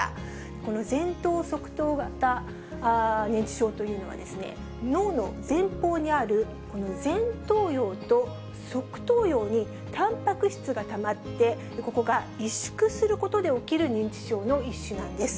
この前頭側頭型認知症というのは、脳の前方にある、この前頭葉と側頭葉にたんぱく質がたまって、ここが委縮することで起きる認知症の一種なんです。